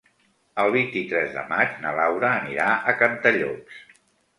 El vint-i-tres de maig na Laura anirà a Cantallops.